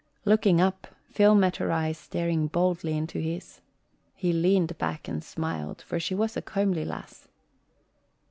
Looking up, Phil met her eyes staring boldly into his. He leaned back and smiled, for she was a comely lass.